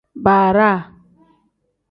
Baaraa.